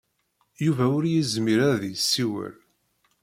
Yuba ur yezmir ad yessiwel.